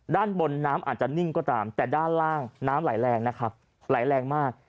ด้านบนน้ำอาจจะนิ่งก็ตามแต่ด้านล่างน้ำไหลแรงนะครับไหลแรงมาก